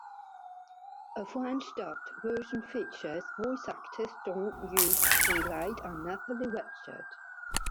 A French-dubbed version features voice actors Jean-Hugues Anglade and Nathalie Richard.